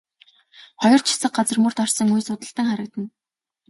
Хоёр ч хэсэг газар мөр дарсан үе судалтан харагдана.